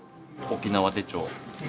沖縄手帳？